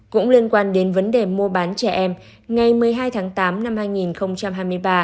cũng liên quan đến vấn đề mua bán trẻ em ngày một mươi hai tháng tám năm hai nghìn hai mươi ba